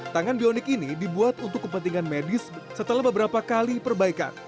tangan bionik ini dibuat untuk kepentingan medis setelah beberapa kali perbaikan